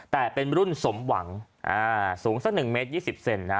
แต่เป็นรุ่นสมหวังอ่าสูงสักหนึ่งเมตรยี่สิบเซนนะ